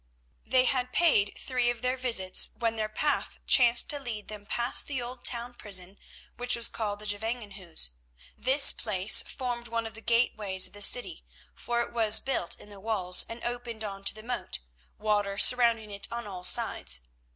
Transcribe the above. They had paid three of their visits when their path chanced to lead them past the old town prison which was called the Gevangenhuis. This place formed one of the gateways of the city, for it was built in the walls and opened on to the moat, water surrounding it on all sides.